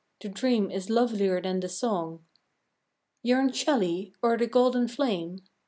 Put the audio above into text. The dream is lovelier than the song. Yearned Shelley o'er the golden flame?